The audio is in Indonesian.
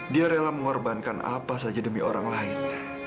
dia rela mengorbankan apa saja demi orang lain